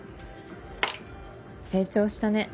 成長したね。